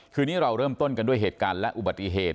คืนนี้เราเริ่มต้นกันด้วยเหตุการณ์และอุบัติเหตุ